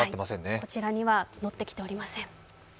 こちらには載ってきておりません。